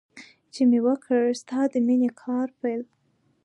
چې مې وکړ ستا د مینې کار پیل.